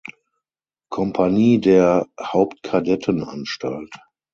Kompanie der Hauptkadettenanstalt.